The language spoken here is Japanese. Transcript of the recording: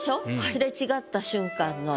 すれ違った瞬間の。